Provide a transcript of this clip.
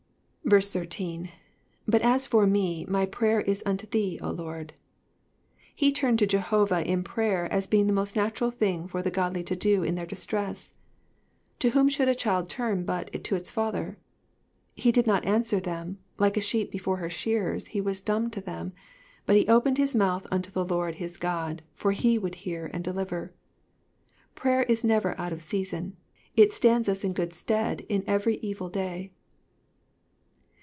13. ^^But as for me, my prayer is unto thee, 0 Lord.'''' He turned to Jehovah in prayer as being the most natural thine for the godly to do in their distress. To whom should a child turn but to his father. He did not answer them ; like a sheep before her shearers he was dumb to them, but he opened his mouth unto the Lord his God, for he would hear and deliver. Prayer is never out of season, it stands us in good stead in every evil day.